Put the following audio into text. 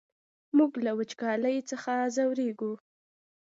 موږ له وچکالۍ څخه ځوريږو!